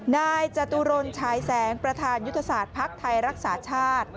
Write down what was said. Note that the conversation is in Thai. นายจตุรนฉายแสงประธานยุทธศาสตร์ภักดิ์ไทยรักษาชาติ